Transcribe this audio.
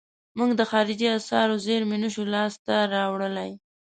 موږ د خارجي اسعارو زیرمې نشو لاس ته راوړلای.